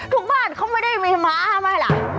ทุกบ้านเขาไม่ได้มีม้ามาล่ะ